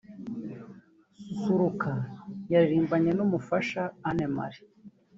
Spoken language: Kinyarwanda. Susuruka yaririmbanye n’umufasha Anne Marie